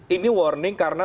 ini warning karena